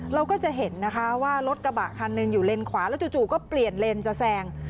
เราก็จะเห็นนะคะว่ารถกระบะคันหนึ่งอยู่เลนขวาแล้วจู่ก็เปลี่ยนเลนจะแซง